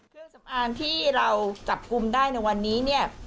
เครื่องสำอางที่เราจับกลุ่มได้ในวันนี้เนี่ย